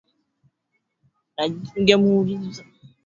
Mahakama Kuu ya Marekani yabadili sheria ya kuruhusu utoaji mimba Roe V Wade